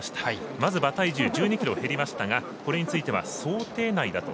まず馬体重１２ｋｇ減りましたがこれについては想定内だと。